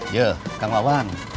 ya kang wawan